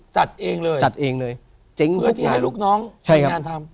จัดเองเลยเจ๊งทุกคนใช่ครับเพื่อที่ให้ลูกน้องมีงานทำ